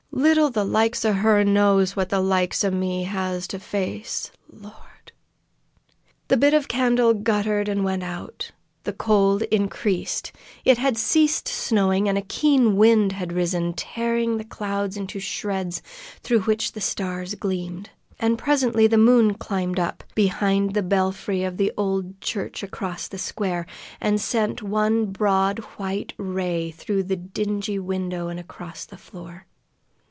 Little the likes o' her knows what the likes o' me has to face! Lord!" The bit of candle guttered and went out. The cold increased. It had ceased snowing, and a keen wind had arisen, tearing the clouds into shreds through which the stars gleamed. And presently the moon climbed up behind the belfry of the old church across the square, and sent one broad white ray through the dingy window and across the floor.